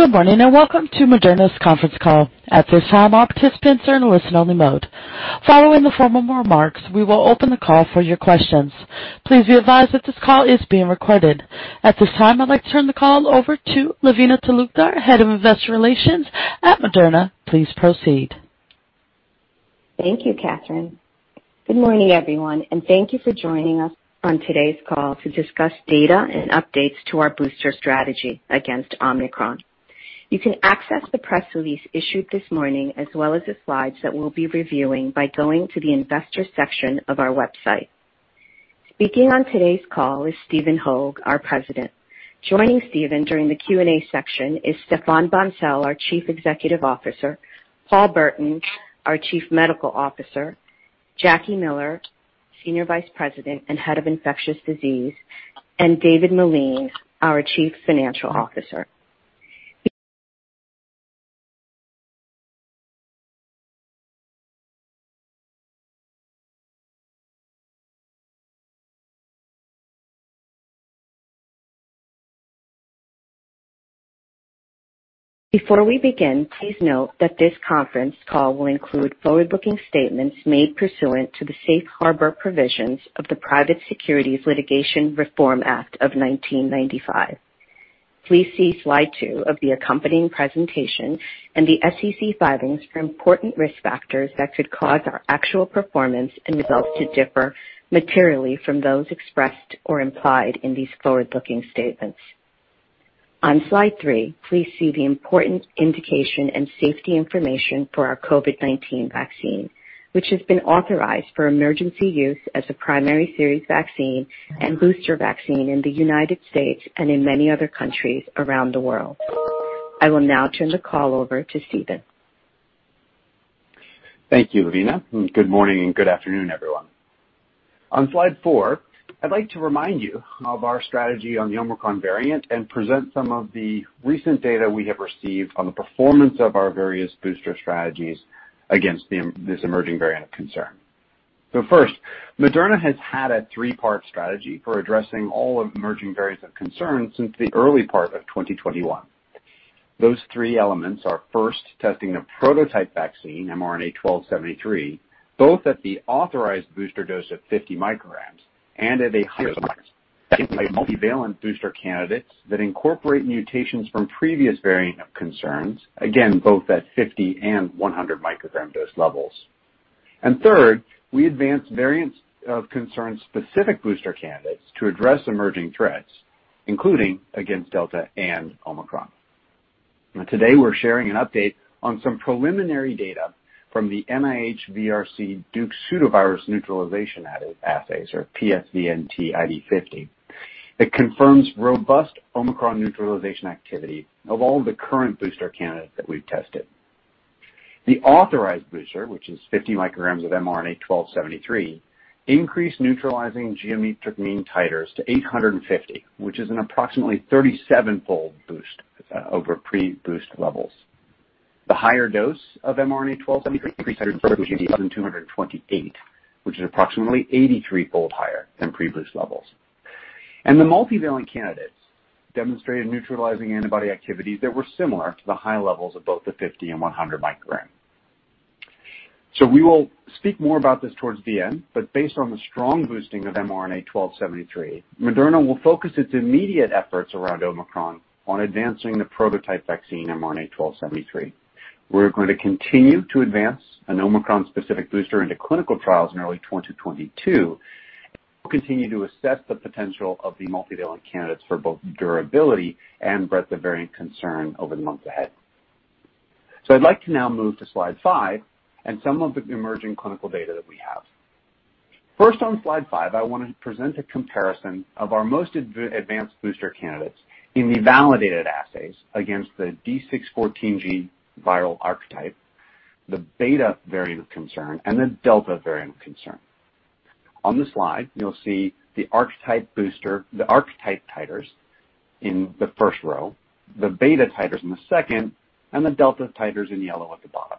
Good morning, and welcome to Moderna's conference call. At this time, all participants are in listen-only mode. Following the formal remarks, we will open the call for your questions. Please be advised that this call is being recorded. At this time, I'd like to turn the call over to Lavina Talukdar, Head of Investor Relations at Moderna. Please proceed. Thank you, Catherine. Good morning, everyone, and thank you for joining us on today's call to discuss data and updates to our booster strategy against Omicron. You can access the press release issued this morning as well as the slides that we'll be reviewing by going to the investor section of our website. Speaking on today's call is Stephen Hoge, our president. Joining Stephen during the Q&A section is Stéphane Bancel, our Chief Executive Officer, Paul Burton, our Chief Medical Officer, Jacqueline Miller, Senior Vice President and Head of Infectious Disease, and David Meline, our Chief Financial Officer. Before we begin, please note that this conference call will include forward-looking statements made pursuant to the safe harbor provisions of the Private Securities Litigation Reform Act of 1995. Please see Slide 2 of the accompanying presentation and the SEC filings for important risk factors that could cause our actual performance and results to differ materially from those expressed or implied in these forward-looking statements. On Slide 3, please see the important indication and safety information for our COVID-19 vaccine, which has been authorized for emergency use as a primary series vaccine and booster vaccine in the United States and in many other countries around the world. I will now turn the call over to Stephen. Thank you, Lavina, and good morning and good afternoon, everyone. On Slide 4, I'd like to remind you of our strategy on the Omicron variant and present some of the recent data we have received on the performance of our various booster strategies against this emerging variant of concern. First, Moderna has had a three-part strategy for addressing all emerging variants of concern since the early part of 2021. Those three elements are first testing the prototype vaccine, mRNA-1273, both at the authorized booster dose of 50 µg and at a higher dose. Multi-valent booster candidates that incorporate mutations from previous variant of concerns, again, both at 50 and 100 µg dose levels. Third, we advanced variants of concern-specific booster candidates to address emerging threats, including against Delta and Omicron. Now, today we're sharing an update on some preliminary data from the NIH VRC Duke pseudovirus neutralization assays or pVNT ID50. It confirms robust Omicron neutralization activity of all the current booster candidates that we've tested. The authorized booster, which is 50 µg of mRNA-1273, increased neutralizing geometric mean titers to 850, which is an approximately 37-fold boost over pre-boost levels. The higher dose of mRNA-1273 increased to 228, which is approximately 83-fold higher than pre-boost levels. The multivalent candidates demonstrated neutralizing antibody activities that were similar to the high levels of both the 50 and 100 µg. We will speak more about this towards the end, but based on the strong boosting of mRNA-1273, Moderna will focus its immediate efforts around Omicron on advancing the prototype vaccine, mRNA-1273. We're going to continue to advance an Omicron-specific booster into clinical trials in early 2022. We'll continue to assess the potential of the multi-valent candidates for both durability and breadth of variant concern over the months ahead. I'd like to now move to Slide 5 and some of the emerging clinical data that we have. First, on Slide 5, I wanna present a comparison of our most advanced booster candidates in the validated assays against the D614G viral archetype, the Beta variant of concern, and the Delta variant of concern. On this slide, you'll see the archetype booster, the archetype titers in the first row, the Beta titers in the second, and the Delta titers in yellow at the bottom.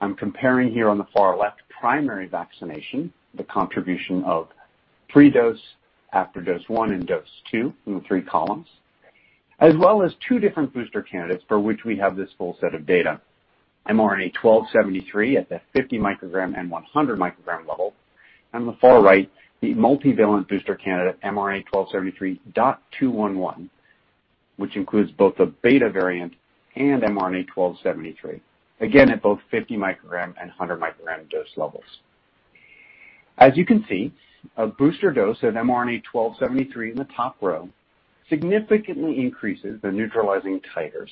I'm comparing here on the far left primary vaccination, the contribution of pre-dose after dose one and dose two in the three columns, as well as two different booster candidates for which we have this full set of data. mRNA-1273 at the 50 µg and 100 µg level. On the far right, the multi-valent booster candidate, mRNA-1273.211, which includes both the Beta variant and mRNA-1273, again at both 50 µg and 100 µg dose levels. As you can see, a booster dose of mRNA-1273 in the top row significantly increases the neutralizing titers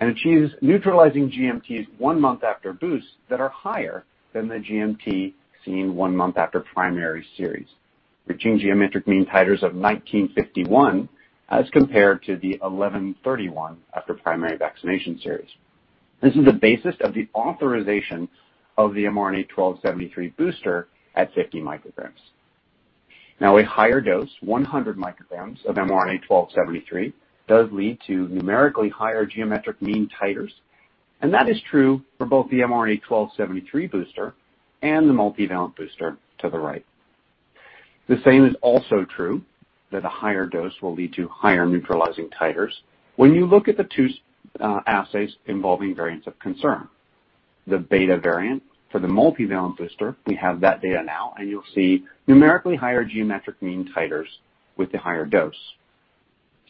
and achieves neutralizing GMTs one month after boost that are higher than the GMT seen one month after primary series, reaching geometric mean titers of 1,951 as compared to the 1,131 after primary vaccination series. This is the basis of the authorization of the mRNA-1273 booster at 50 µg. Now a higher dose, 100 µg of mRNA-1273, does lead to numerically higher geometric mean titers, and that is true for both the mRNA-1273 booster and the multivalent booster to the right. The same is also true that a higher dose will lead to higher neutralizing titers when you look at the two assays involving variants of concern. The Beta variant for the multivalent booster, we have that data now, and you'll see numerically higher geometric mean titers with the higher dose.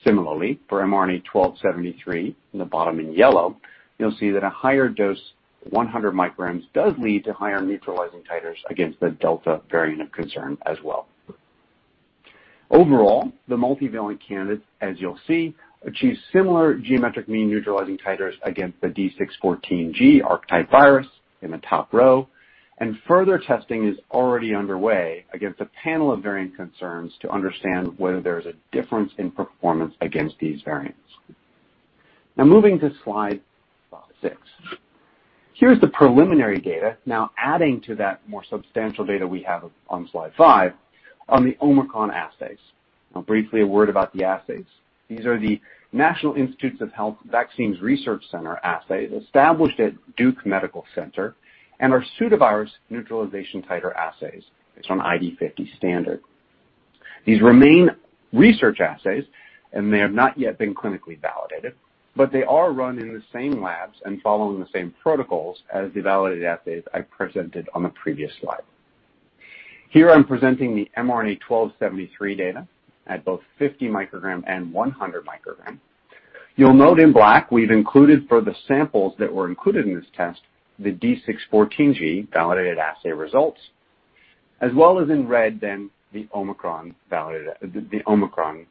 Similarly, for mRNA-1273 in the bottom in yellow, you'll see that a higher dose 100 µg does lead to higher neutralizing titers against the Delta variant of concern as well. Overall, the multivalent candidate, as you'll see, achieves similar geometric mean neutralizing titers against the D614G archetype virus in the top row, and further testing is already underway against a panel of variant concerns to understand whether there's a difference in performance against these variants. Now moving to Slide 6. Here's the preliminary data now adding to that more substantial data we have on Slide 5 on the Omicron assays. Now, briefly a word about the assays. These are the National Institutes of Health Vaccine Research Center assays established at Duke Medical Center and are pseudovirus neutralization titer assays based on ID50 standard. These remain research assays, and they have not yet been clinically validated, but they are run in the same labs and following the same protocols as the validated assays I presented on the previous slide. Here I'm presenting the mRNA-1273 data at both 50 µg and 100 µg. You'll note in black we've included for the samples that were included in this test the D614G validated assay results as well as in red the Omicron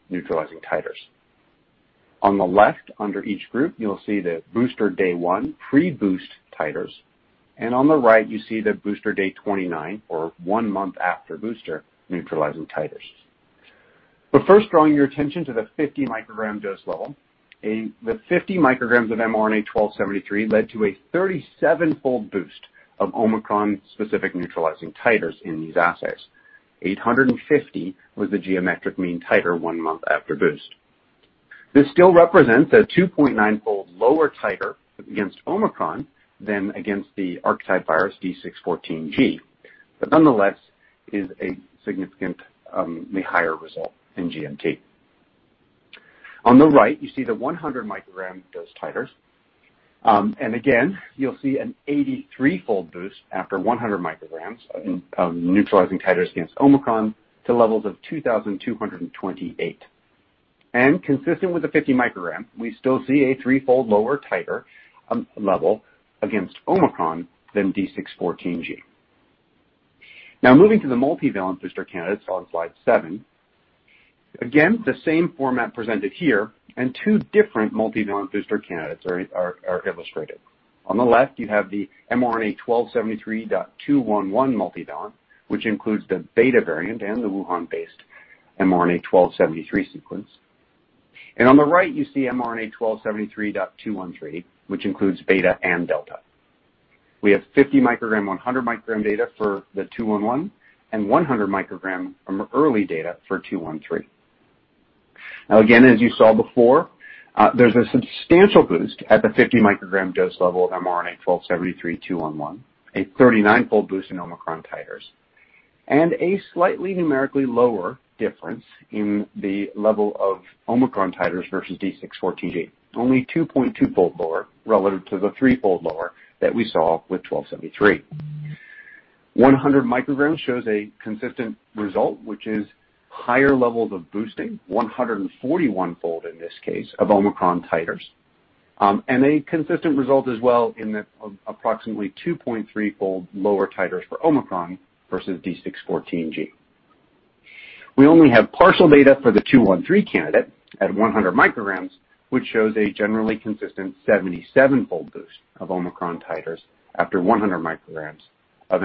neutralizing titers. On the left under each group, you'll see the booster day 1 pre-boost titers, and on the right you see the booster day 29 or one month after booster neutralizing titers. First, drawing your attention to the 50 µg dose level. The 50 µg of mRNA-1273 led to a 37-fold boost of Omicron-specific neutralizing titers in these assays. 850 was the geometric mean titer one month after boost. This still represents a 2.9-fold lower titer against Omicron than against the archetype virus D614G, but nonetheless is a significantly higher result in GMT. On the right you see the 100 µg dose titers, and again, you'll see an 83-fold boost after 100 µg of neutralizing titers against Omicron to levels of 2,228. Consistent with the 50 µg, we still see a 3-fold lower titer level against Omicron than D614G. Now moving to the multivalent booster candidates on Slide 7. Again, the same format presented here and two different multivalent booster candidates are illustrated. On the left you have the mRNA-1273.211 multivalent which includes the Beta variant and the Wuhan-based mRNA-1273 sequence. On the right you see mRNA-1273.213 which includes Beta and Delta. We have 50 µg, 100 µg data for the 211, and 100 µg from early data for 213. Now again, as you saw before, there's a substantial boost at the 50 µg dose level of mRNA-1273.211, a 39-fold boost in Omicron titers, and a slightly numerically lower difference in the level of Omicron titers versus D614G, only 2.2-fold lower relative to the 3-fold lower that we saw with mRNA-1273. 100 µg shows a consistent result, which is higher levels of boosting, 141-fold in this case, of Omicron titers. And a consistent result as well in the approximately 2.3-fold lower titers for Omicron versus D614G. We only have partial data for the 213 candidate at 100 µg, which shows a generally consistent 77-fold boost of Omicron titers after 100 µg of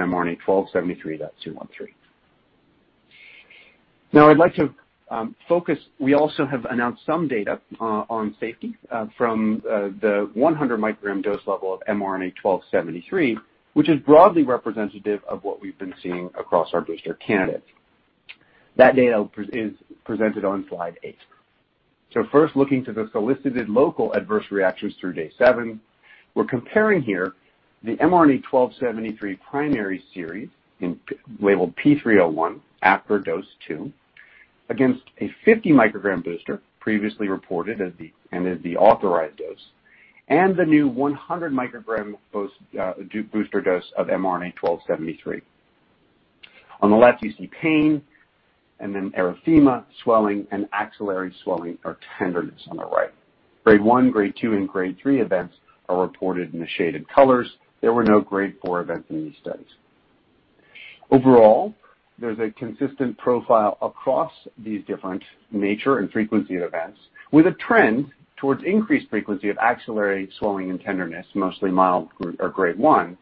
mRNA-1273.213. We also have announced some data on safety from the 100-µg dose level of mRNA-1273, which is broadly representative of what we've been seeing across our booster candidates. That data is presented on Slide 8. First looking to the solicited local adverse reactions through day seven, we're comparing here the mRNA-1273 primary series in labeled P301 after dose two against a 50-µg booster previously reported as the authorized dose, and the new 100-µg booster dose of mRNA-1273. On the left you see pain, and then erythema, swelling, and axillary swelling or tenderness on the right. Grade 1, Grade 2, and Grade 3 events are reported in the shaded colors. There were no Grade 4 events in these studies. Overall, there's a consistent profile across these different nature and frequency of events with a trend towards increased frequency of axillary swelling and tenderness, mostly mild or Grade 1,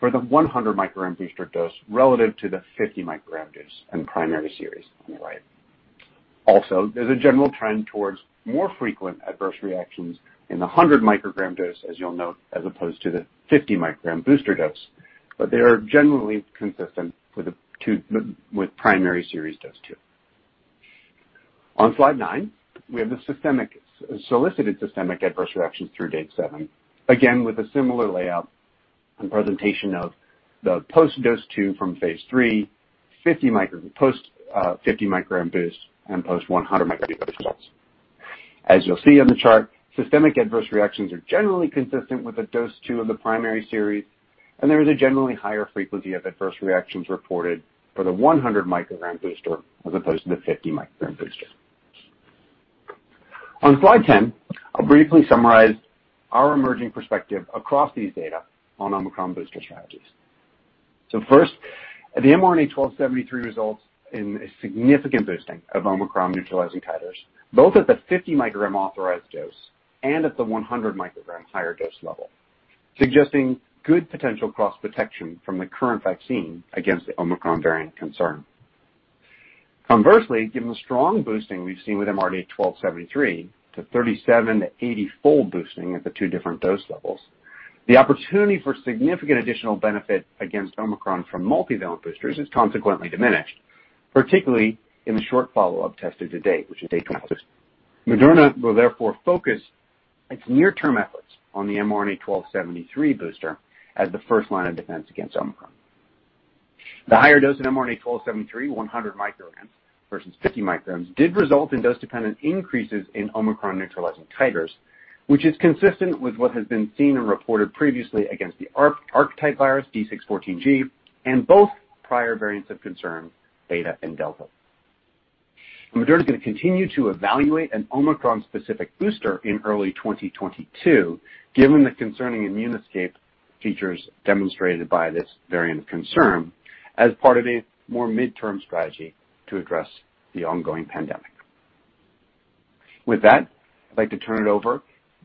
for the 100 µg booster dose relative to the 50 µg dose in primary series on the right. There's a general trend towards more frequent adverse reactions in the 100 µg dose, as you'll note, as opposed to the 50 µg booster dose, but they are generally consistent with the 2 with primary series dose 2. On Slide 9, we have the solicited systemic adverse reactions through day 7, again with a similar layout and presentation of the post-dose 2 from phase III, 50 µg boost and post 100 µg results. As you'll see on the chart, systemic adverse reactions are generally consistent with the dose two of the primary series, and there is a generally higher frequency of adverse reactions reported for the 100 µg booster as opposed to the 50 µg booster. On Slide 10, I'll briefly summarize our emerging perspective across these data on Omicron booster strategies. First, the mRNA-1273 results in a significant boosting of Omicron neutralizing titers, both at the 50 µg authorized dose and at the 100 µg higher dose level, suggesting good potential cross-protection from the current vaccine against the Omicron variant concern. Conversely, given the strong boosting we've seen with mRNA-1273 to 37-80 fold boosting at the two different dose levels, the opportunity for significant additional benefit against Omicron from multivalent boosters is consequently diminished, particularly in the short follow-up tested to date, which is day 26. Moderna will therefore focus its near-term efforts on the mRNA-1273 booster as the first line of defense against Omicron. The higher dose of mRNA-1273, 100 µg versus 50 µg, did result in dose-dependent increases in Omicron neutralizing titers, which is consistent with what has been seen and reported previously against the ancestral archetype virus D614G and both prior variants of concern, Beta and Delta. Moderna is gonna continue to evaluate an Omicron-specific booster in early 2022, given the concerning immune escape features demonstrated by this variant of concern as part of a more midterm strategy to address the ongoing pandemic. With that, I'd like to turn it over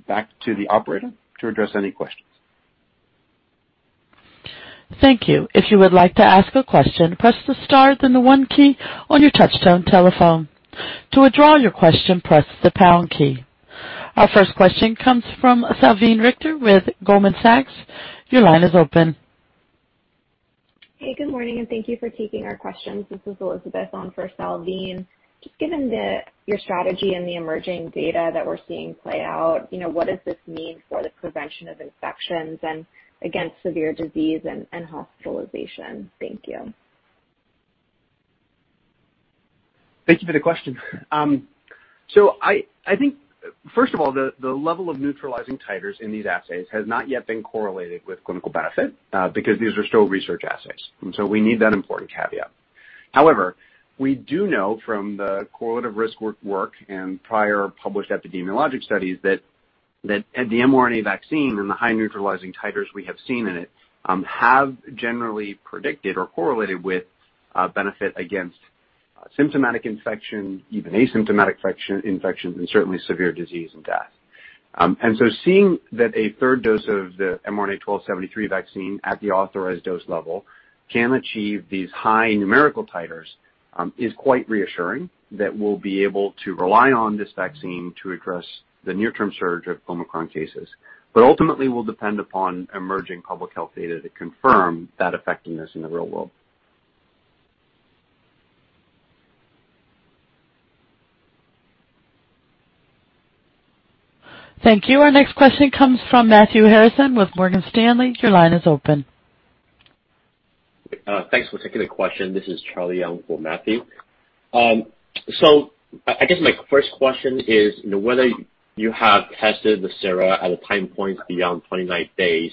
back to the operator to address any questions. Thank you. If you would like to ask a question, press the star, then the one key on your touchtone telephone. To withdraw your question, press the pound key. Our first question comes from Salveen Richter with Goldman Sachs. Your line is open. Hey, good morning, and thank you for taking our questions. This is Elizabeth on for Salveen. Just given your strategy and the emerging data that we're seeing play out, you know, what does this mean for the prevention of infections and against severe disease and hospitalization? Thank you. Thank you for the question. I think, first of all, the level of neutralizing titers in these assays has not yet been correlated with clinical benefit, because these are still research assays, and so we need that important caveat. However, we do know from the correlative risk work and prior published epidemiologic studies that the mRNA vaccine and the high neutralizing titers we have seen in it have generally predicted or correlated with benefit against symptomatic infection, even asymptomatic infections, and certainly severe disease and death. Seeing that a third dose of the mRNA-1273 vaccine at the authorized dose level can achieve these high numerical titers is quite reassuring that we'll be able to rely on this vaccine to address the near-term surge of Omicron cases. Ultimately, we'll depend upon emerging public health data to confirm that effectiveness in the real world. Thank you. Our next question comes from Matthew Harrison with Morgan Stanley. Your line is open. Thanks for taking the question. This is Charlie Young for Matthew. So I guess my first question is, you know, whether you have tested the sera at a time point beyond 29 days,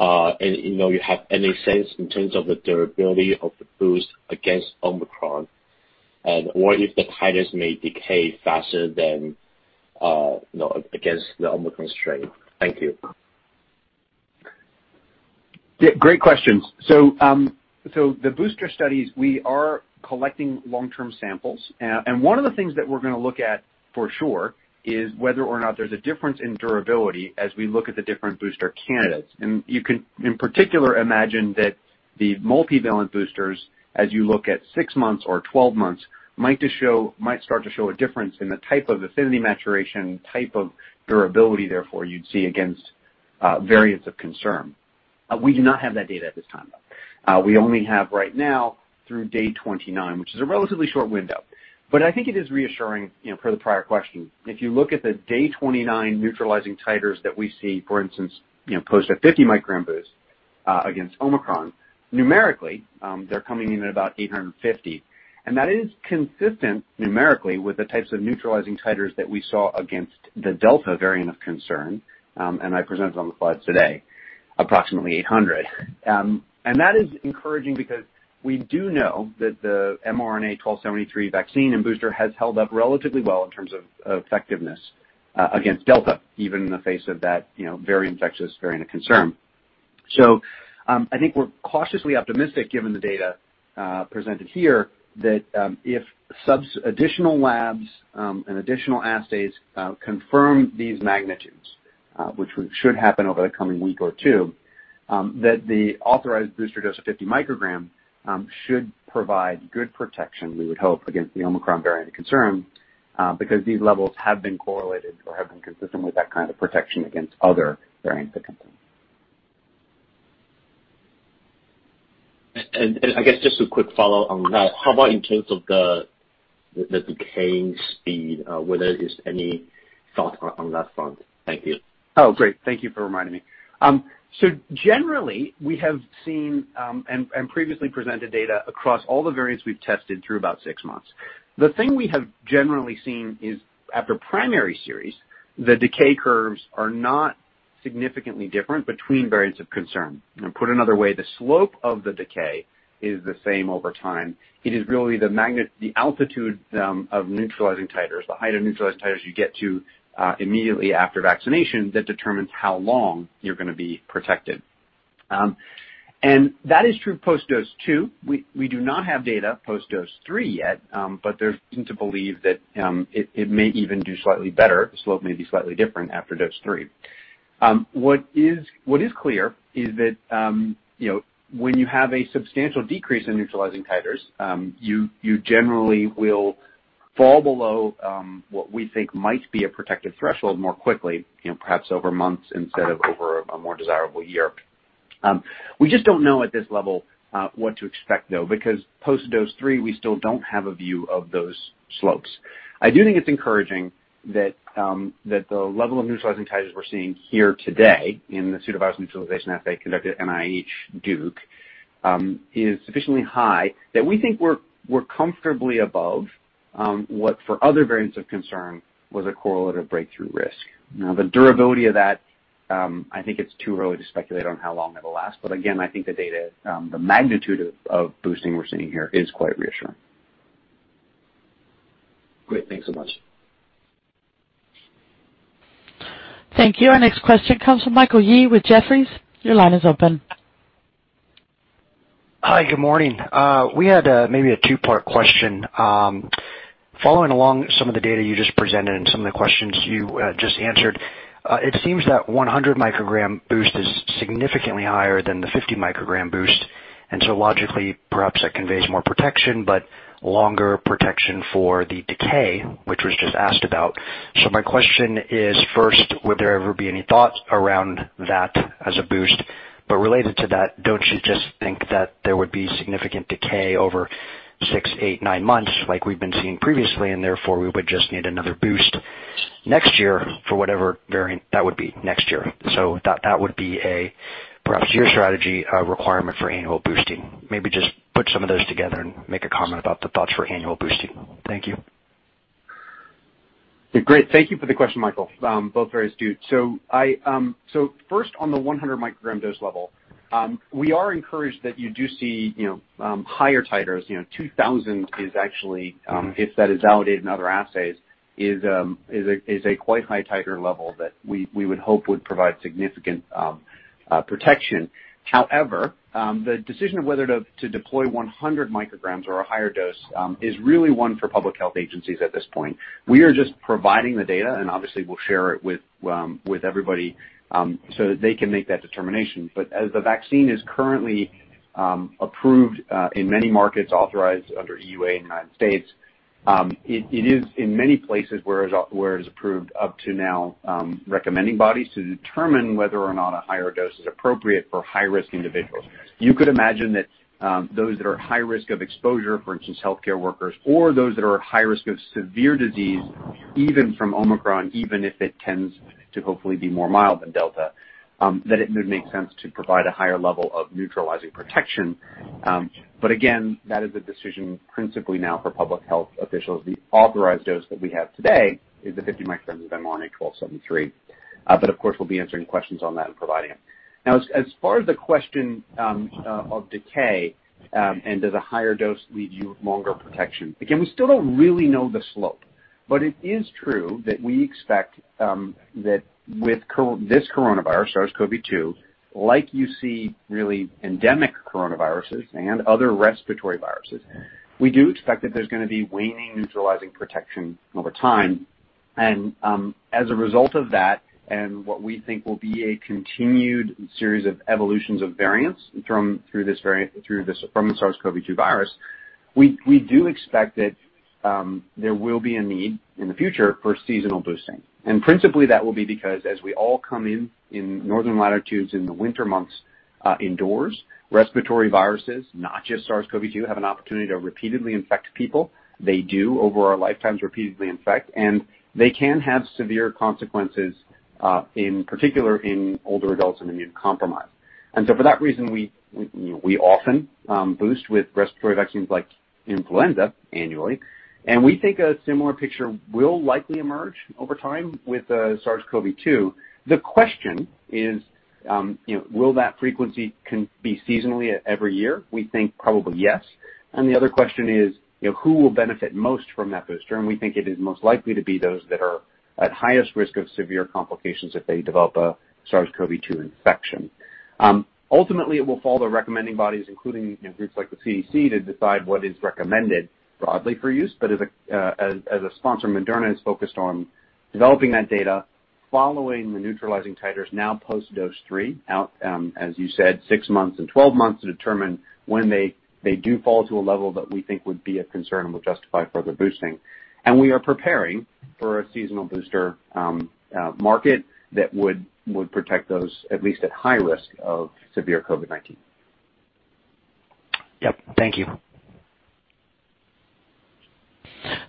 and you know, you have any sense in terms of the durability of the boost against Omicron, and or if the titers may decay faster than, you know, against the Omicron strain. Thank you. Yeah, great questions. The booster studies, we are collecting long-term samples. One of the things that we're gonna look at for sure is whether or not there's a difference in durability as we look at the different booster candidates. You can, in particular, imagine that the multivalent boosters, as you look at six months or 12 months, might start to show a difference in the type of affinity maturation, type of durability, therefore, you'd see against variants of concern. We do not have that data at this time, though. We only have right now through day 29, which is a relatively short window. I think it is reassuring, you know, per the prior question, if you look at the day 29 neutralizing titers that we see, for instance, you know, post a 50 µg boost, against Omicron, numerically, they're coming in at about 850. That is consistent numerically with the types of neutralizing titers that we saw against the Delta variant of concern, and I presented on the slides today, approximately 800. That is encouraging because we do know that the mRNA-1273 vaccine and booster has held up relatively well in terms of effectiveness, against Delta, even in the face of that, you know, very infectious variant of concern. I think we're cautiously optimistic given the data presented here that, if additional labs and additional assays confirm these magnitudes, which should happen over the coming week or two, that the authorized booster dose of 50 µg should provide good protection, we would hope, against the Omicron variant of concern, because these levels have been correlated or have been consistent with that kind of protection against other variants of concern. I guess just a quick follow on that. How about in terms of the decaying speed, whether there's any thought on that front? Thank you. Oh, great. Thank you for reminding me. Generally we have seen, and previously presented data across all the variants we've tested through about six months. The thing we have generally seen is after primary series, the decay curves are not significantly different between variants of concern. Now, put another way, the slope of the decay is the same over time. It is really the altitude of neutralizing titers, the height of neutralizing titers you get to immediately after vaccination that determines how long you're gonna be protected. That is true post dose two. We do not have data post dose three yet, but there's reason to believe that it may even do slightly better. The slope may be slightly different after dose three. What is clear is that, you know, when you have a substantial decrease in neutralizing titers, you generally will fall below what we think might be a protective threshold more quickly, you know, perhaps over months instead of over a more desirable year. We just don't know at this level what to expect though, because post dose three, we still don't have a view of those slopes. I do think it's encouraging that the level of neutralizing titers we're seeing here today in the pseudovirus neutralization assay conducted at NIH Duke is sufficiently high that we think we're comfortably above what for other variants of concern was a correlative breakthrough risk. Now the durability of that, I think it's too early to speculate on how long it'll last, but again, I think the data, the magnitude of boosting we're seeing here is quite reassuring. Great. Thanks so much. Thank you. Our next question comes from Michael Yee with Jefferies. Your line is open. Hi. Good morning. We had maybe a two-part question. Following along some of the data you just presented and some of the questions you just answered, it seems that 100 µg boost is significantly higher than the 50 µg boost, and so logically perhaps that conveys more protection but longer protection for the decay, which was just asked about. My question is first, would there ever be any thoughts around that as a boost? Related to that, don't you just think that there would be significant decay over six, eight, nine months like we've been seeing previously, and therefore we would just need another boost next year for whatever variant that would be next year? That would be perhaps your strategy requirement for annual boosting. Maybe just put some of those together and make a comment about the thoughts for annual boosting. Thank you. Great. Thank you for the question, Michael. Both very astute. First on the 100 µg dose level, we are encouraged that you do see, you know, higher titers. You know, 2000 is actually, if that is validated in other assays, is a quite high titer level that we would hope would provide significant protection. However, the decision of whether to deploy 100 µg or a higher dose is really one for public health agencies at this point. We are just providing the data, and obviously we'll share it with everybody so that they can make that determination. As the vaccine is currently approved in many markets authorized under EUA in the United States, it is in many places where it is approved up to now, recommending bodies to determine whether or not a higher dose is appropriate for high-risk individuals. You could imagine that those that are at high risk of exposure, for instance, healthcare workers or those that are at high risk of severe disease, even from Omicron, even if it tends to hopefully be more mild than Delta, that it would make sense to provide a higher level of neutralizing protection. Again, that is a decision principally now for public health officials. The authorized dose that we have today is the 50 µg of mRNA-1273. Of course we'll be answering questions on that and providing them. Now as far as the question of decay and does a higher dose leave you with longer protection? Again, we still don't really know the slope, but it is true that we expect that with this coronavirus, SARS-CoV-2, like you see really endemic coronaviruses and other respiratory viruses, we do expect that there's gonna be waning neutralizing protection over time. As a result of that and what we think will be a continued series of evolutions of variants from through this variant from the SARS-CoV-2 virus, we do expect that there will be a need in the future for seasonal boosting. Principally that will be because as we all come in northern latitudes in the winter months indoors, respiratory viruses, not just SARS-CoV-2, have an opportunity to repeatedly infect people. They do over our lifetimes repeatedly infect, and they can have severe consequences in particular in older adults and immune-compromised. For that reason, you know, we often boost with respiratory vaccines like influenza annually, and we think a similar picture will likely emerge over time with SARS-CoV-2. The question is, you know, will that frequency be seasonally every year? We think probably yes. The other question is, you know, who will benefit most from that booster? We think it is most likely to be those that are at highest risk of severe complications if they develop a SARS-CoV-2 infection. Ultimately it will fall to recommending bodies, including, you know, groups like the CDC, to decide what is recommended broadly for use. As a sponsor, Moderna is focused on developing that data following the neutralizing titers now post dose three out, as you said, six months and 12 months to determine when they do fall to a level that we think would be a concern and will justify further boosting. We are preparing for a seasonal booster market that would protect those at least at high risk of severe COVID-19. Yep. Thank you.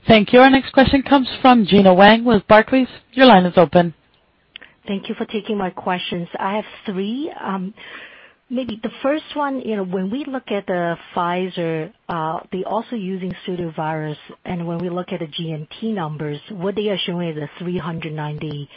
Thank you. Our next question comes from Gena Wang with Barclays. Your line is open. Thank you for taking my questions. I have three. Maybe the first one, you know, when we look at the Pfizer, they also using pseudovirus, and when we look at the GMT numbers, what they are showing is a 398,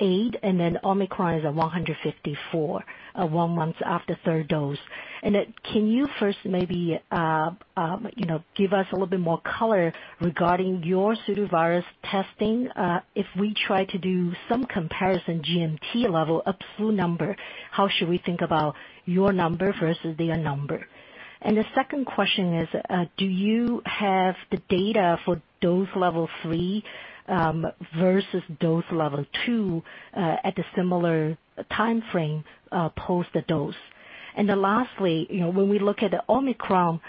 and then Omicron is at 154, one month after third dose. Can you first maybe, you know, give us a little bit more color regarding your pseudovirus testing, if we try to do some comparison GMT level the flu number, how should we think about your number versus their number? The second question is, do you have the data for dose level three, versus dose level two, at a similar timeframe, post the dose? Then lastly, you know, when we look at the Omicron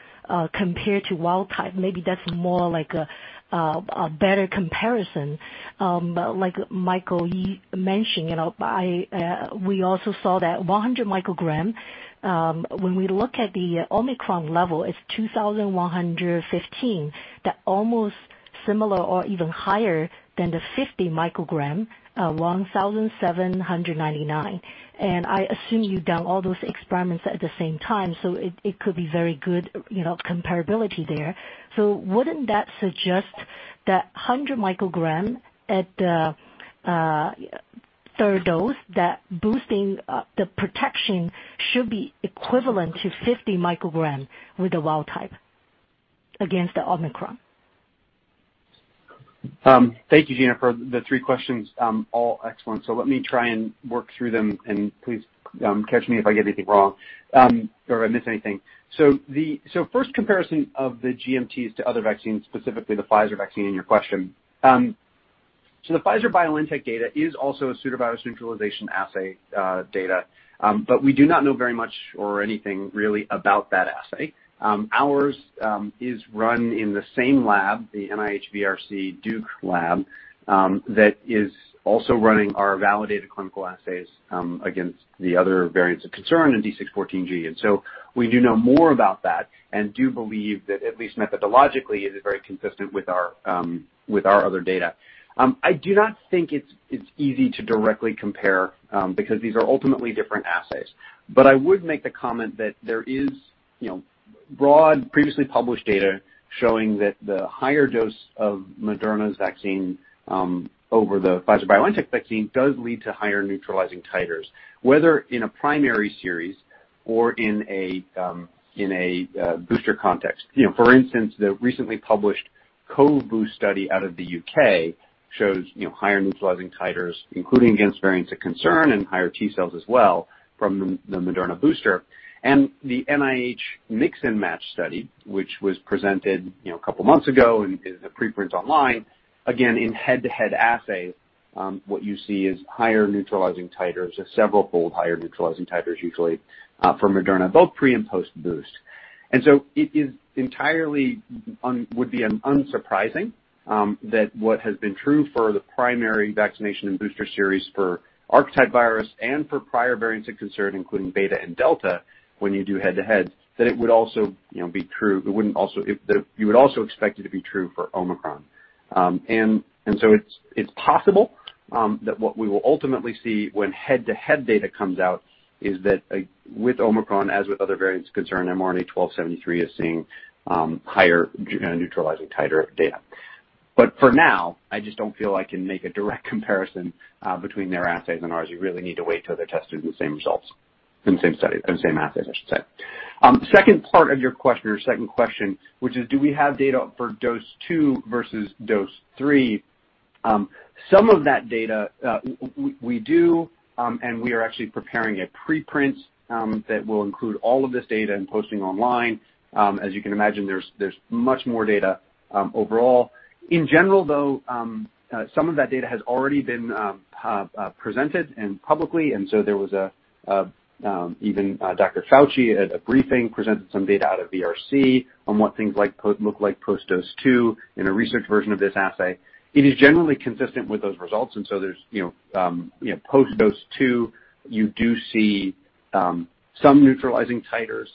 compared to wild type, maybe that's more like a better comparison. Like Michael Yee mentioned, you know, we also saw that 100 µg when we look at the Omicron level, it's 2,115. That almost similar or even higher than the 50 µg 1,799. I assume you've done all those experiments at the same time, so it could be very good, you know, comparability there. Wouldn't that suggest that 100 µg at the third dose, that boosting the protection should be equivalent to 50 µg with the wild type against the Omicron? Thank you, Gena, for the three questions. All excellent. Let me try and work through them, and please, catch me if I get anything wrong, or I miss anything. First comparison of the GMTs to other vaccines, specifically the Pfizer vaccine in your question. The Pfizer-BioNTech data is also a pseudovirus neutralization assay data, but we do not know very much or anything really about that assay. Ours is run in the same lab, the NIH VRC Duke lab, that is also running our validated clinical assays against the other variants of concern in D614G. We do know more about that and do believe that at least methodologically it is very consistent with our other data. I do not think it's easy to directly compare because these are ultimately different assays. I would make the comment that there is, you know, broad previously published data showing that the higher dose of Moderna's vaccine over the Pfizer-BioNTech vaccine does lead to higher neutralizing titers, whether in a primary series or in a booster context. You know, for instance, the recently published COV-BOOST study out of the U.K. shows, you know, higher neutralizing titers, including against variants of concern and higher T-cells as well from the Moderna booster. The NIH Mix and Match study, which was presented, you know, a couple of months ago and is a preprint online, again, in head to head assays, what you see is higher neutralizing titers or several fold higher neutralizing titers usually, for Moderna, both pre and post-boost. It would be entirely unsurprising that what has been true for the primary vaccination and booster series for archetype virus and for prior variants of concern including Beta and Delta when you do head to head, that it would also, you know, be true. You would also expect it to be true for Omicron. It's possible that what we will ultimately see when head to head data comes out is that with Omicron as with other variants of concern, mRNA-1273 is seeing higher neutralizing titer data. For now, I just don't feel I can make a direct comparison between their assays and ours. You really need to wait till they're tested with the same results, and same study, and same assays, I should say. Second part of your question or second question, which is do we have data for dose two versus dose three? Some of that data, we do, and we are actually preparing a preprint that will include all of this data and posting online. As you can imagine, there's much more data overall. In general, though, some of that data has already been presented publicly, and so there was even Dr. Fauci at a briefing presented some data out of VRC on what things look like post-dose two in a research version of this assay. It is generally consistent with those results, and so there's you know post-dose two, you do see some neutralizing titers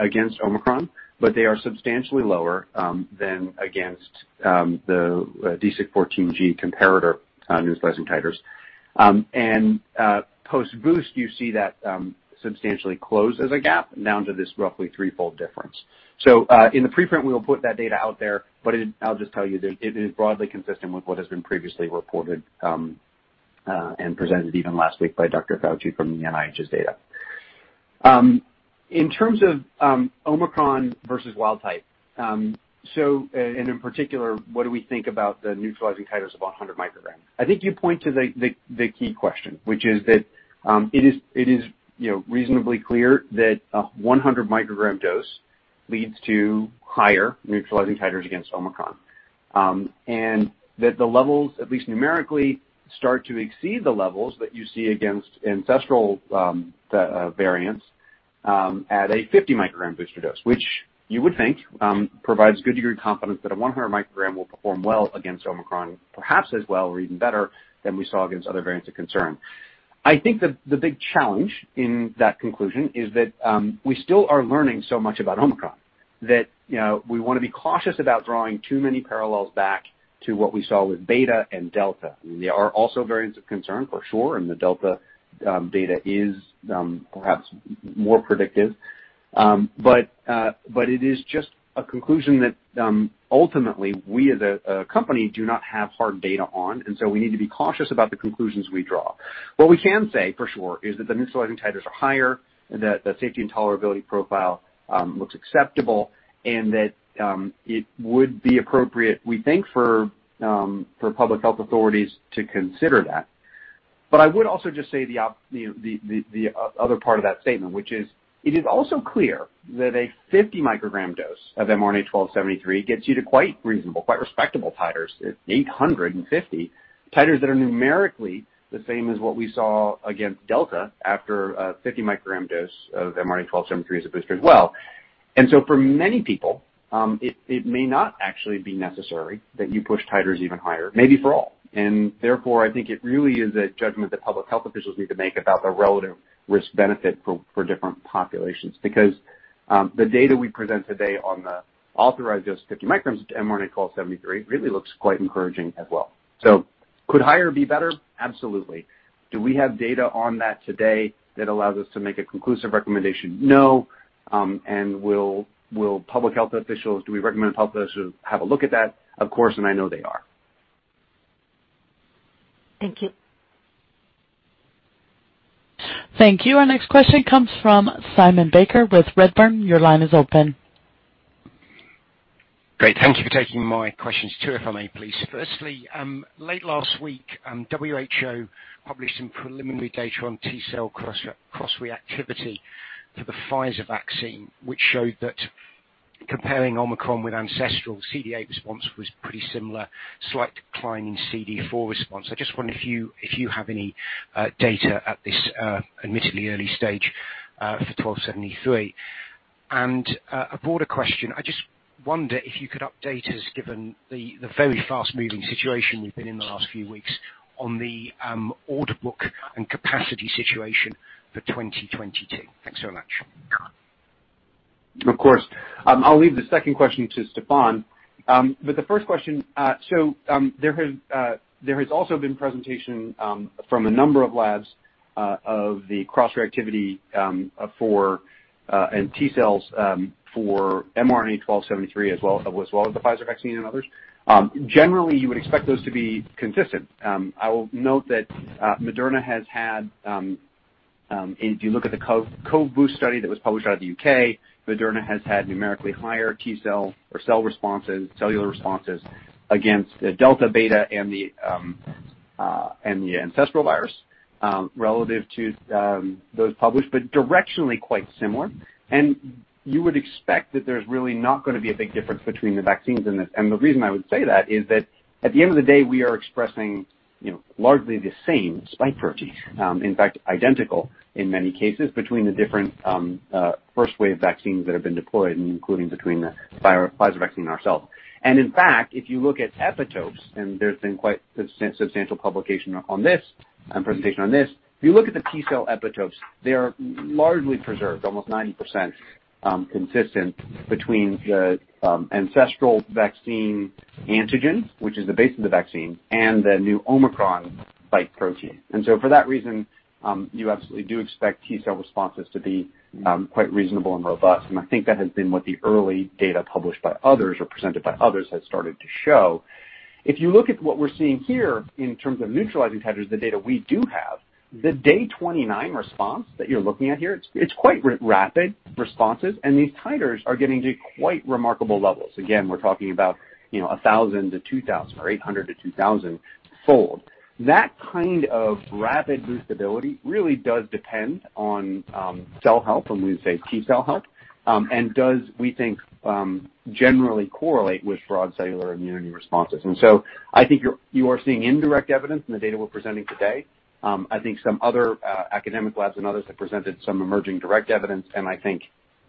against Omicron, but they are substantially lower than against the D614G comparator neutralizing titers. Post-boost, you see that substantially closes the gap down to this roughly 3-fold difference. In the preprint, we will put that data out there, but I'll just tell you that it is broadly consistent with what has been previously reported and presented even last week by Dr. Fauci from the NIH's data. In terms of Omicron versus wild type, and in particular, what do we think about the neutralizing titers of a 100 µg? I think you point to the key question, which is that, you know, it is reasonably clear that a 100 µg dose leads to higher neutralizing titers against Omicron. That the levels, at least numerically, start to exceed the levels that you see against ancestral variants at a 50 µg booster dose, which you would think provides a good degree of confidence that a 100 µg will perform well against Omicron, perhaps as well or even better than we saw against other variants of concern. I think the big challenge in that conclusion is that we still are learning so much about Omicron that, you know, we wanna be cautious about drawing too many parallels back to what we saw with Beta and Delta. They are also variants of concern for sure, and the Delta data is perhaps more predictive. It is just a conclusion that, ultimately we as a company do not have hard data on, and so we need to be cautious about the conclusions we draw. What we can say for sure is that the neutralizing titers are higher, that the safety and tolerability profile looks acceptable, and that it would be appropriate, we think, for public health authorities to consider that. I would also just say the other part of that statement, which is it is also clear that a 50 µg dose of mRNA-1273 gets you to quite reasonable, quite respectable titers. It's 850. Titers that are numerically the same as what we saw against Delta after a 50 µg dose of mRNA-1273 as a booster as well. For many people, it may not actually be necessary that you push titers even higher, maybe for all. Therefore, I think it really is a judgment that public health officials need to make about the relative risk benefit for different populations. Because the data we present today on the authorized dose 50 µg of mRNA-1273 really looks quite encouraging as well. Could higher be better? Absolutely. Do we have data on that today that allows us to make a conclusive recommendation? No. Do we recommend public officials have a look at that? Of course. I know they are. Thank you. Thank you. Our next question comes from Simon Baker with Redburn. Your line is open. Great. Thank you for taking my questions. Two, if I may, please. Firstly, late last week, WHO published some preliminary data on T-cell cross-reactivity for the Pfizer vaccine, which showed that comparing Omicron with ancestral CD8 response was pretty similar, slight decline in CD4 response. I just wonder if you have any data at this admittedly early stage for mRNA-1273. A broader question, I just wonder if you could update us, given the very fast-moving situation we've been in the last few weeks on the order book and capacity situation for 2022. Thanks so much. Of course. I'll leave the second question to Stéphane. But the first question, there has also been presentations from a number of labs of the cross-reactivity and T-cell for mRNA-1273 as well as the Pfizer vaccine and others. Generally, you would expect those to be consistent. I will note that, if you look at the COV-BOOST study that was published out of the U.K., Moderna has had numerically higher T-cell and cellular responses against the Delta, Beta and the ancestral virus relative to those published, but directionally quite similar. You would expect that there's really not gonna be a big difference between the vaccines in this. The reason I would say that is that at the end of the day, we are expressing, you know, largely the same spike proteins, in fact, identical in many cases between the different, first wave vaccines that have been deployed, including between the Pfizer-BioNTech vaccine ourselves. In fact, if you look at epitopes, and there's been quite substantial publication on this, and presentation on this, if you look at the T-cell epitopes, they are largely preserved, almost 90%, consistent between the, ancestral vaccine antigen, which is the base of the vaccine and the new Omicron spike protein. For that reason, you absolutely do expect T-cell responses to be, quite reasonable and robust. I think that has been what the early data published by others or presented by others has started to show. If you look at what we're seeing here in terms of neutralizing titers, the data we do have, the day 29 response that you're looking at here, it's quite rapid responses, and these titers are getting to quite remarkable levels. Again, we're talking about, you know, 1,000-2,000 or 800-2,000 fold. That kind of rapid boost ability really does depend on, cell health, and we would say T-cell health, and does, we think, generally correlate with broad cellular immunity responses. I think you are seeing indirect evidence in the data we're presenting today. I think some other, academic labs and others have presented some emerging direct evidence. I think,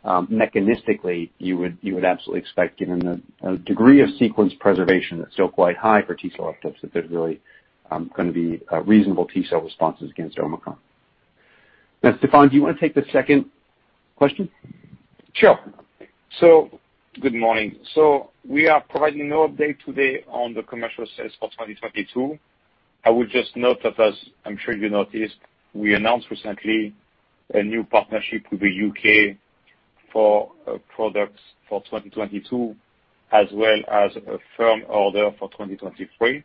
mechanistically, you would absolutely expect, given a degree of sequence preservation that's still quite high for T-cell epitopes, that there's really gonna be reasonable T-cell responses against Omicron. Now, Stéphane, do you wanna take the second question? Sure. Good morning. We are providing no update today on the commercial sales for 2022. I would just note that as I'm sure you noticed, we announced recently a new partnership with the U.K. for products for 2022, as well as a firm order for 2023.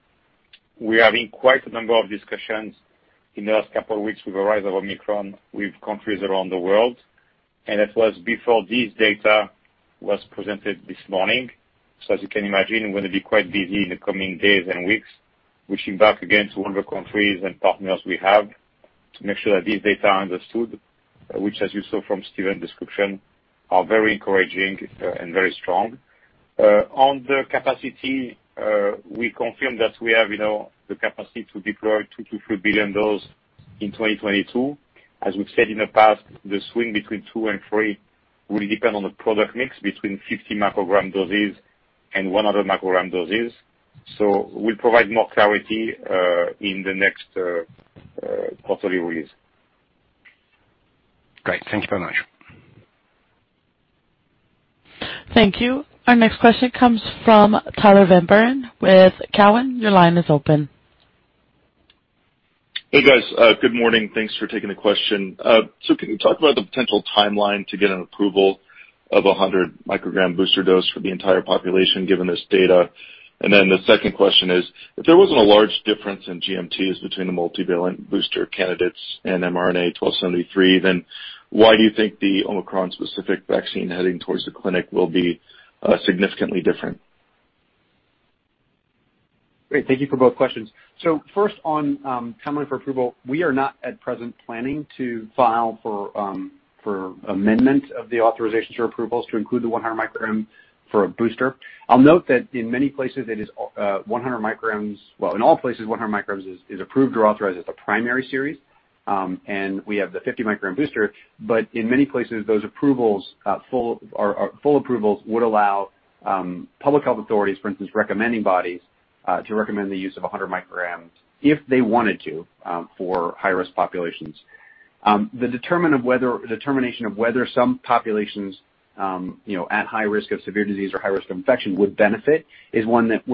We are having quite a number of discussions in the last couple of weeks with the rise of Omicron with countries around the world, and it was before this data was presented this morning. As you can imagine, we're gonna be quite busy in the coming days and weeks reaching back again to all the countries and partners we have to make sure that this data understood, which as you saw from Stephen's description, are very encouraging and very strong. On the capacity, we confirm that we have, you know, the capacity to deploy 2 billion-3 billion doses in 2022. As we've said in the past, the swing between 2 and 3 will depend on the product mix between 50 µg doses and 100 µg doses. We'll provide more clarity in the next quarterly release. Great. Thank you very much. Thank you. Our next question comes from Tyler Van Buren with Cowen. Your line is open. Hey, guys. Good morning. Thanks for taking the question. Can you talk about the potential timeline to get an approval of a 100 µg booster dose for the entire population given this data? The second question is, if there wasn't a large difference in GMTs between the multivalent booster candidates and mRNA-1273, then why do you think the Omicron specific vaccine heading towards the clinic will be significantly different? Great. Thank you for both questions. First on timing for approval. We are not at present planning to file for amendment of the authorizations or approvals to include the 100-µg for a booster. I'll note that in many places it is 100 µg, well, in all places, 100 µg is approved or authorized as a primary series. We have the 50-µg booster. In many places those approvals, full approvals would allow public health authorities, for instance, recommending bodies, to recommend the use of 100 µg if they wanted to for high-risk populations. Determination of whether some populations, you know, at high risk of severe disease or high risk of infection would benefit is one that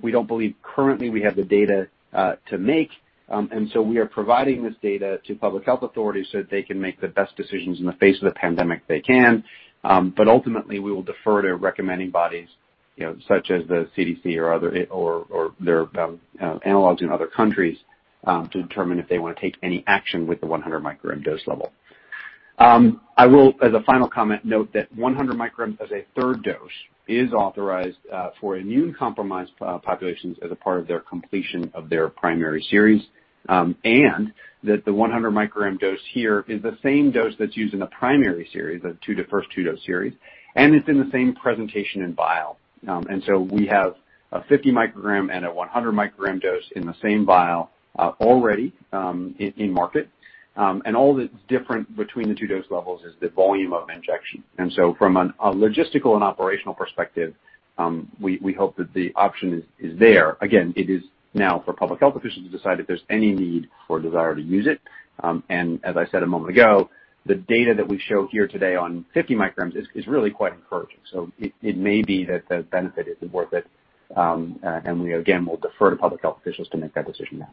we don't believe currently we have the data to make. We are providing this data to public health authorities so that they can make the best decisions in the face of the pandemic they can. Ultimately we will defer to recommending bodies, you know, such as the CDC or other or their analogs in other countries to determine if they wanna take any action with the 100 µg dose level. I will, as a final comment, note that 100 µg as a third dose is authorized for immunocompromised populations as a part of their completion of their primary series. That the 100 µg dose here is the same dose that's used in the primary series, the first two-dose series. It's in the same presentation in vial. We have a 50 µg and a 100 µg dose in the same vial, already, in market. All that's different between the two dose levels is the volume of injection. From a logistical and operational perspective, we hope that the option is there. Again, it is now for public health officials to decide if there's any need or desire to use it. As I said a moment ago, the data that we show here today on 50 µg is really quite encouraging. It may be that the benefit isn't worth it. We again will defer to public health officials to make that decision now.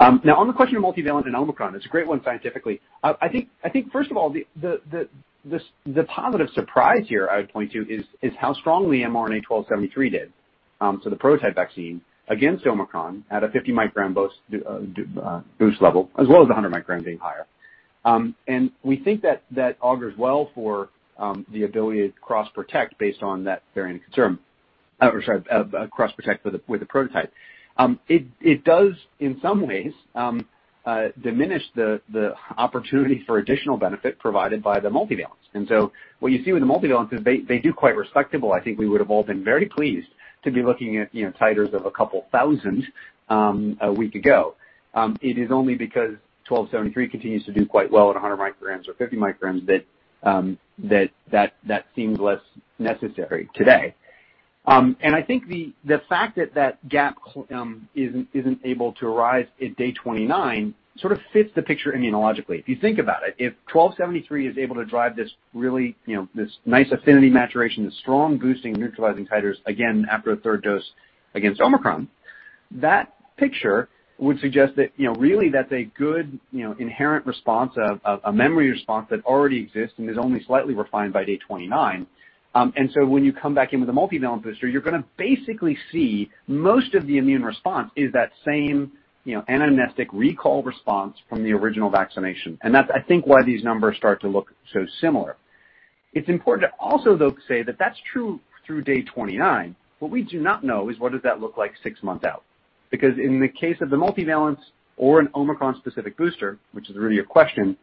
Now on the question of multivalent and Omicron, it's a great one scientifically. I think first of all, the positive surprise here I would point to is how strongly mRNA-1273 did. So the prototype vaccine against Omicron at a 50 µg boost level as well as the 100 µg being higher. We think that augurs well for the ability to cross-protect based on that variant of concern, cross-protect with the prototype. It does in some ways diminish the opportunity for additional benefit provided by the multivalent. What you see with the multivalent is they do quite respectable. I think we would have all been very pleased to be looking at, you know, titers of a couple thousand a week ago. It is only because mRNA-1273 continues to do quite well at 100 µg or 50 µg that that seems less necessary today. I think the fact that that gap isn't able to arise at day 29 sort of fits the picture immunologically. If you think about it, if mRNA-1273 is able to drive this really, you know, this nice affinity maturation, this strong boosting neutralizing titers again after a third dose against Omicron, that picture would suggest that, you know, really that's a good, you know, inherent response of a memory response that already exists and is only slightly refined by day 29. When you come back in with a multivalent booster, you're gonna basically see most of the immune response is that same, you know, anamnestic recall response from the original vaccination. That's I think why these numbers start to look so similar. It's important to also though say that that's true through day 29. What we do not know is what does that look like six months out? Because in the case of the multivalent or an Omicron specific booster, which is really your question,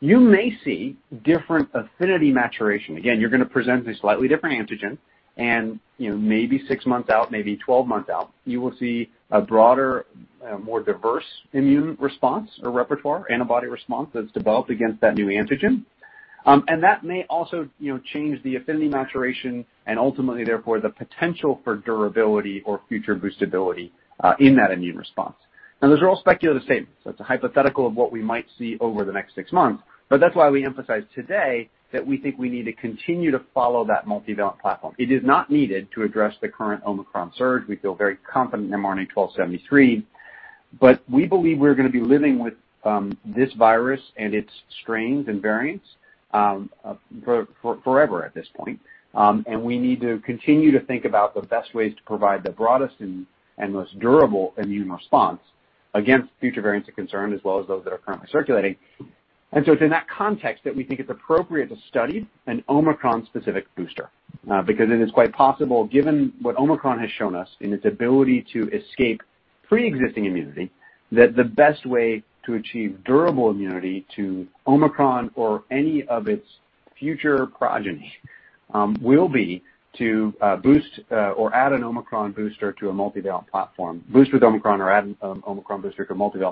you may see different affinity maturation. Again, you're gonna present a slightly different antigen and, you know, maybe six months out, maybe twelve months out, you will see a broader, more diverse immune response or repertoire antibody response that's developed against that new antigen. That may also, you know, change the affinity maturation and ultimately therefore the potential for durability or future boostability in that immune response. Now those are all speculative statements. That's a hypothetical of what we might see over the next six months. That's why we emphasize today that we think we need to continue to follow that multivalent platform. It is not needed to address the current Omicron surge. We feel very confident in mRNA-1273. We believe we're gonna be living with this virus and its strains and variants for forever at this point. We need to continue to think about the best ways to provide the broadest and most durable immune response against future variants of concern as well as those that are currently circulating. It's in that context that we think it's appropriate to study an Omicron specific booster. Because it is quite possible, given what Omicron has shown us in its ability to escape pre-existing immunity, that the best way to achieve durable immunity to Omicron or any of its future progeny, will be to boost with Omicron or add an Omicron booster to a multivalent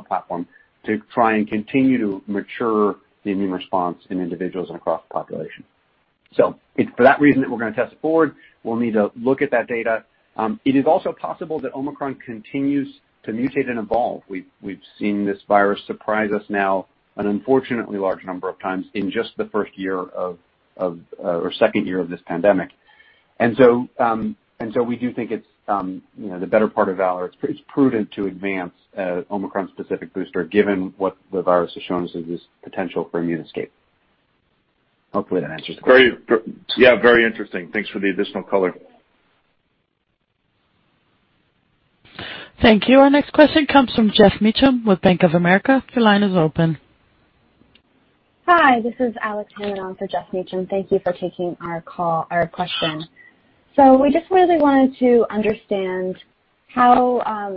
platform to try and continue to mature the immune response in individuals and across the population. It's for that reason that we're gonna test forward. We'll need to look at that data. It is also possible that Omicron continues to mutate and evolve. We've seen this virus surprise us now an unfortunately large number of times in just the first year or second year of this pandemic. We do think it's, you know, the better part of valor. It's prudent to advance an Omicron-specific booster, given what the virus has shown us of this potential for immune escape. Hopefully that answers the question. Yeah, very interesting. Thanks for the additional color. Thank you. Our next question comes from Geoff Meacham with Bank of America. Your line is open. Hi, this is Alex calling in for Geoff Meacham. Thank you for taking our call, our question. We just really wanted to understand how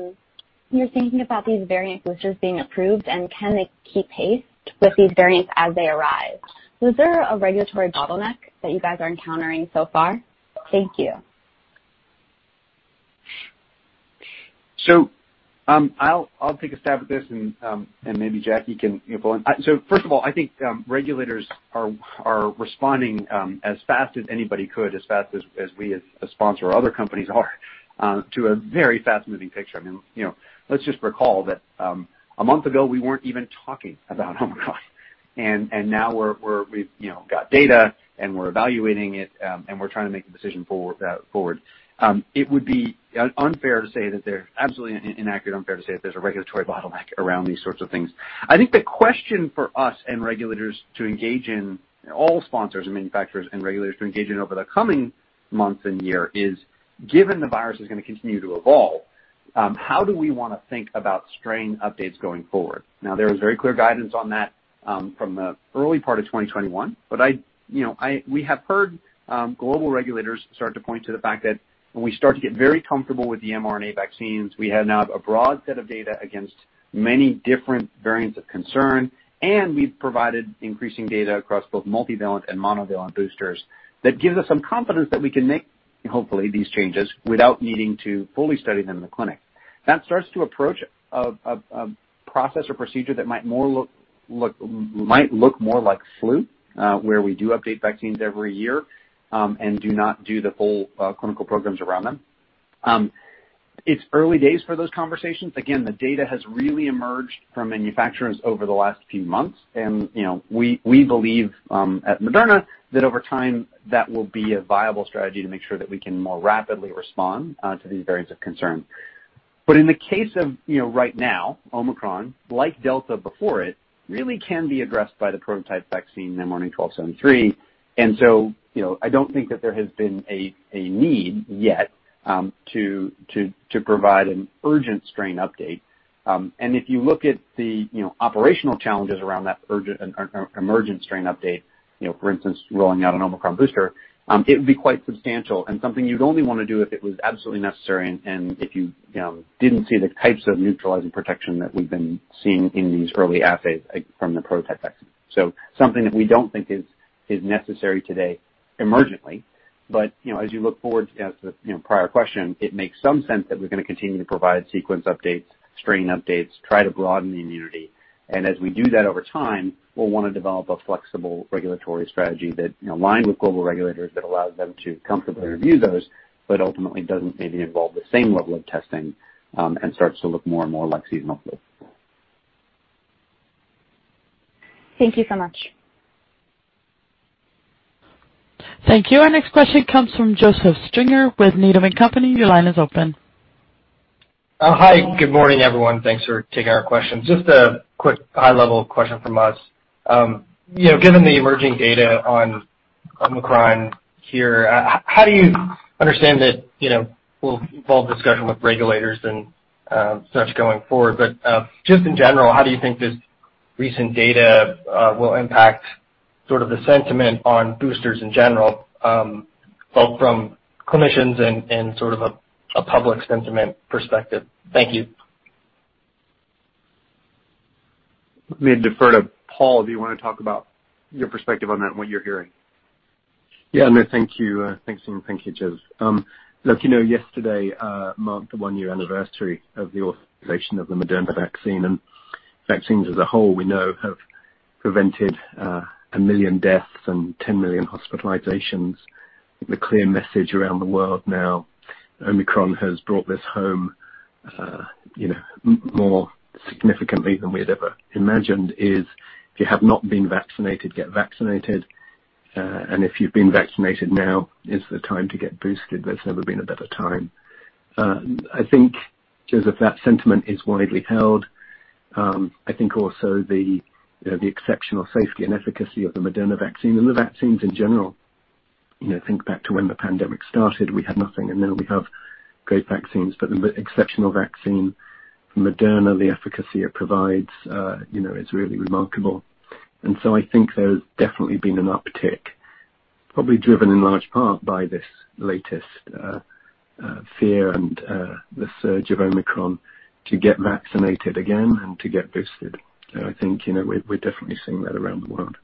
you're thinking about these variant boosters being approved, and can they keep pace with these variants as they arrive? Was there a regulatory bottleneck that you guys are encountering so far? Thank you. I'll take a stab at this, and maybe Jackie can, you know, fill in. First of all, I think regulators are responding as fast as anybody could, as fast as we as a sponsor or other companies are to a very fast-moving picture. I mean, you know, let's just recall that a month ago, we weren't even talking about Omicron. Now we've, you know, got data and we're evaluating it, and we're trying to make a decision forward. It would be unfair to say that there's absolutely inaccurate, unfair to say that there's a regulatory bottleneck around these sorts of things. I think the question for all sponsors, manufacturers, and regulators to engage in over the coming months and year is, given the virus is gonna continue to evolve, how do we wanna think about strain updates going forward. Now, there was very clear guidance on that from the early part of 2021. You know, we have heard global regulators start to point to the fact that when we start to get very comfortable with the mRNA vaccines, we have now a broad set of data against many different variants of concern, and we've provided increasing data across both multivalent and monovalent boosters that gives us some confidence that we can make, hopefully, these changes without needing to fully study them in the clinic. That starts to approach a process or procedure that might look more like flu, where we do update vaccines every year, and do not do the full clinical programs around them. It's early days for those conversations. Again, the data has really emerged from manufacturers over the last few months. You know, we believe at Moderna that over time that will be a viable strategy to make sure that we can more rapidly respond to these variants of concern. In the case of, you know, right now, Omicron, like Delta before it, really can be addressed by the prototype vaccine mRNA-1273. You know, I don't think that there has been a need yet to provide an urgent strain update. If you look at the, you know, operational challenges around that urgent or emergent strain update, you know, for instance, rolling out an Omicron booster, it would be quite substantial and something you'd only wanna do if it was absolutely necessary and if you know, didn't see the types of neutralizing protection that we've been seeing in these early assays from the prototype vaccine. Something that we don't think is necessary today emergently. You know, as you look forward as the, you know, prior question, it makes some sense that we're gonna continue to provide sequence updates, strain updates, try to broaden the immunity. As we do that over time, we'll wanna develop a flexible regulatory strategy that, you know, aligned with global regulators that allows them to comfortably review those but ultimately doesn't maybe involve the same level of testing, and starts to look more and more like seasonal flu. Thank you so much. Thank you. Our next question comes from Joseph Stringer with Needham & Company. Your line is open. Hi. Good morning, everyone. Thanks for taking our questions. Just a quick high-level question from us. You know, given the emerging data on Omicron here, how do you understand that, you know, we'll involve discussion with regulators and such going forward, but just in general, how do you think this recent data will impact sort of the sentiment on boosters in general, both from clinicians and sort of a public sentiment perspective? Thank you. may defer to Paul. Do you wanna talk about your perspective on that and what you're hearing? Thanks, Stephen. Thank you, Joseph. Look, you know, yesterday marked the one-year anniversary of the authorization of the Moderna vaccine. Vaccines as a whole, we know, have prevented 1 million deaths and 10 million hospitalizations. The clear message around the world now, Omicron has brought this home, you know, more significantly than we had ever imagined, is if you have not been vaccinated, get vaccinated. If you've been vaccinated, now is the time to get boosted. There's never been a better time. I think, Joseph, that sentiment is widely held. I think also the, you know, exceptional safety and efficacy of the Moderna vaccine and the vaccines in general, you know, think back to when the pandemic started, we had nothing, and now we have great vaccines. The exceptional vaccine from Moderna, the efficacy it provides, you know, is really remarkable. I think there's definitely been an uptick, probably driven in large part by this latest fear and the surge of Omicron to get vaccinated again and to get boosted. I think, you know, we're definitely seeing that around the world.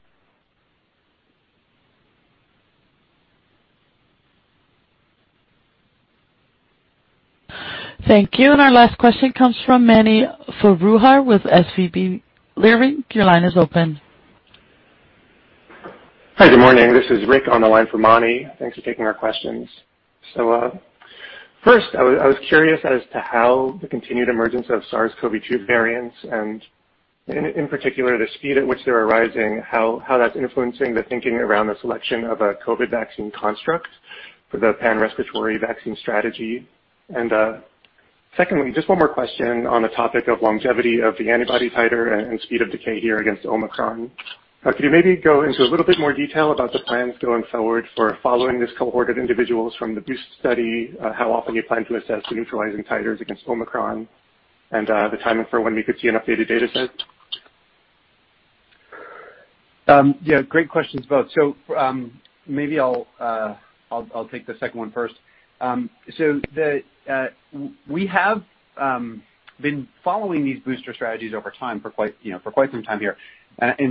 Thank you. Our last question comes from Mani Foroohar with SVB Leerink. Your line is open. Hi, good morning. This is Rick on the line for Mani. Thanks for taking our questions. First, I was curious as to how the continued emergence of SARS-CoV-2 variants, and in particular, the speed at which they're arising, how that's influencing the thinking around the selection of a COVID vaccine construct for the pan-respiratory vaccine strategy? Secondly, just one more question on the topic of longevity of the antibody titer and speed of decay here against Omicron. Could you maybe go into a little bit more detail about the plans going forward for following this cohort of individuals from the boost study, how often you plan to assess the neutralizing titers against Omicron and, the timing for when we could see an updated data set? Yeah, great questions both. Maybe I'll take the second one first. We have been following these booster strategies over time for quite, you know, for quite some time here.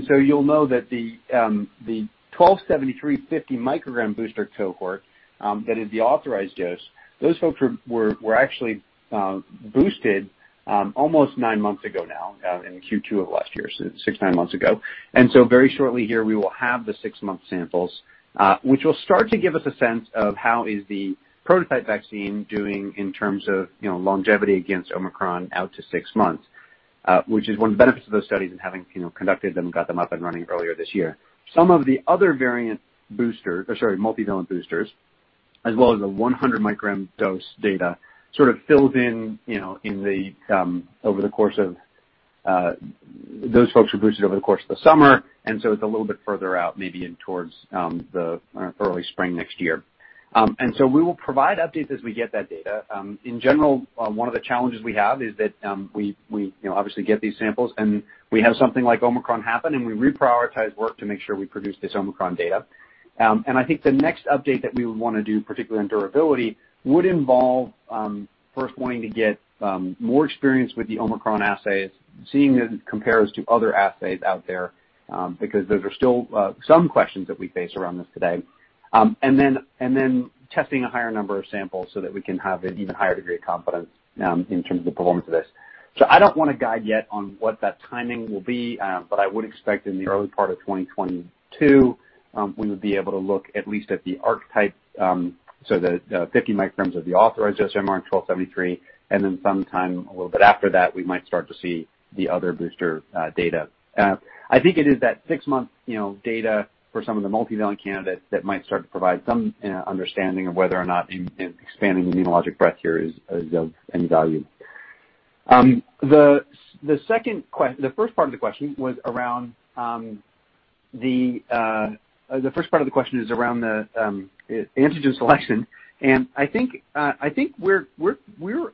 You'll know that the mRNA-1273 50 µg booster cohort, that is the authorized dose, those folks were actually boosted almost nine months ago now, in Q2 of last year, so six-nine months ago. Very shortly here, we will have the six-month samples, which will start to give us a sense of how the prototype vaccine is doing in terms of, you know, longevity against Omicron out to six months, which is one of the benefits of those studies and having, you know, conducted them and got them up and running earlier this year. Some of the other variant booster, or sorry, multivalent boosters, as well as the 100 µg dose data sort of fills in, you know, in the interim over the course of those folks were boosted over the course of the summer, and so it's a little bit further out, maybe into early spring next year. We will provide updates as we get that data. In general, one of the challenges we have is that we, you know, obviously get these samples and we have something like Omicron happen, and we reprioritize work to make sure we produce this Omicron data. I think the next update that we would wanna do, particularly on durability, would involve first wanting to get more experience with the Omicron assays, seeing as it compares to other assays out there, because those are still some questions that we face around this today, and then testing a higher number of samples so that we can have an even higher degree of confidence in terms of the performance of this. I don't wanna guide yet on what that timing will be, but I would expect in the early part of 2022 we would be able to look at least at the archetype, so the 50 µg of the authorized mRNA-1273, and then sometime a little bit after that, we might start to see the other booster data. I think it is that six-month, you know, data for some of the multivalent candidates that might start to provide some understanding of whether or not expanding immunologic breadth here is of any value. The first part of the question is around the antigen selection. I think we're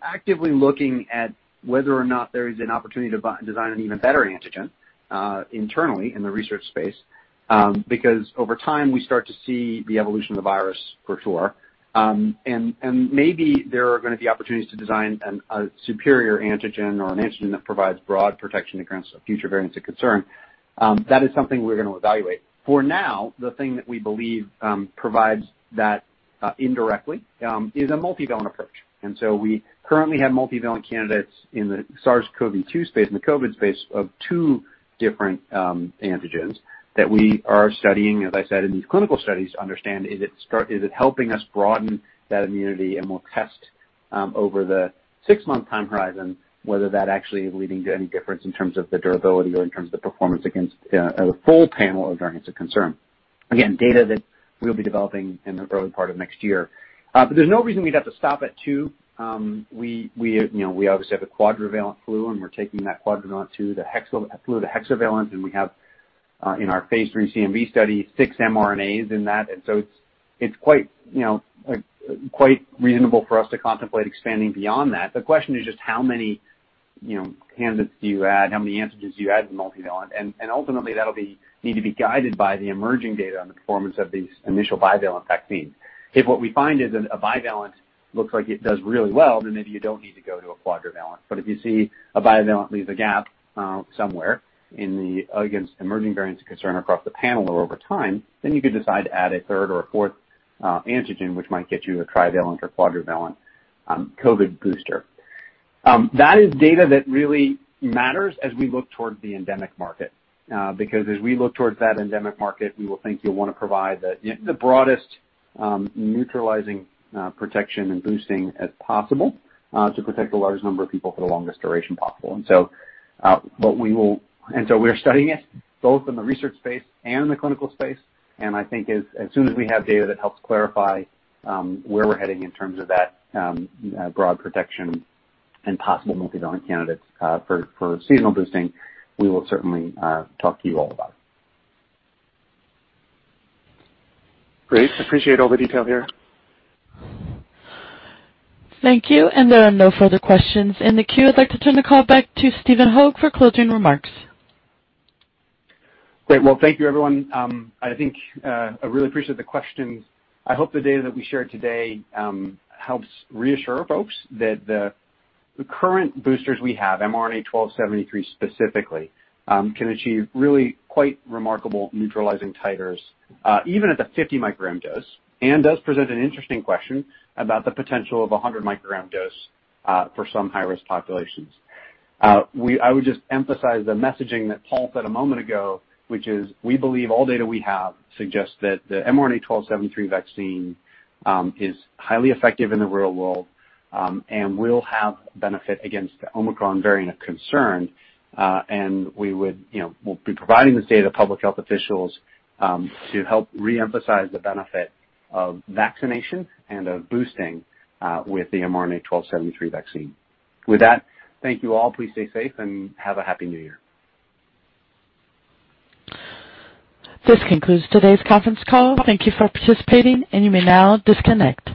actively looking at whether or not there is an opportunity to design an even better antigen internally in the research space, because over time, we start to see the evolution of the virus for sure. Maybe there are gonna be opportunities to design a superior antigen or an antigen that provides broad protection against future variants of concern. That is something we're gonna evaluate. For now, the thing that we believe provides that indirectly is a multivalent approach. We currently have multivalent candidates in the SARS-CoV-2 space, in the COVID space, of two different antigens that we are studying, as I said, in these clinical studies to understand is it helping us broaden that immunity, and we'll test over the six-month time horizon whether that actually is leading to any difference in terms of the durability or in terms of the performance against a full panel of variants of concern. Again, data that we'll be developing in the early part of next year. There's no reason we'd have to stop at two. We obviously have the quadrivalent flu, and we're taking that quadrivalent to the hexavalent flu, and we have in our phase III CMV study, six mRNAs in that. It's quite reasonable for us to contemplate expanding beyond that. The question is just how many candidates do you add, how many antigens do you add to multivalent? Ultimately, that'll need to be guided by the emerging data on the performance of these initial bivalent vaccines. If what we find is a bivalent looks like it does really well, then maybe you don't need to go to a quadrivalent. If you see a bivalent leaves a gap, somewhere in the, against emerging variants of concern across the panel or over time, then you could decide to add a third or a fourth, antigen, which might get you a trivalent or quadrivalent, COVID booster. That is data that really matters as we look towards the endemic market, because as we look towards that endemic market, we will think you'll wanna provide the broadest, neutralizing, protection and boosting as possible, to protect the largest number of people for the longest duration possible. We're studying it both in the research space and in the clinical space, and I think as soon as we have data that helps clarify where we're heading in terms of that broad protection and possible multivalent candidates for seasonal boosting, we will certainly talk to you all about it. Great. Appreciate all the detail here. Thank you. There are no further questions in the queue. I'd like to turn the call back to Stephen Hoge for closing remarks. Great. Well, thank you, everyone. I think I really appreciate the questions. I hope the data that we shared today helps reassure folks that the current boosters we have, mRNA-1273 specifically, can achieve really quite remarkable neutralizing titers, even at the 50 µg dose, and does present an interesting question about the potential of a 100 µg dose, for some high-risk populations. I would just emphasize the messaging that Paul said a moment ago, which is we believe all data we have suggests that the mRNA-1273 vaccine is highly effective in the real world, and will have benefit against the Omicron variant of concern, and we would, you know, we'll be providing this data to public health officials, to help reemphasize the benefit of vaccination and of boosting, with the mRNA-1273 vaccine. With that, thank you all. Please stay safe, and have a happy New Year. This concludes today's conference call. Thank you for participating, and you may now disconnect.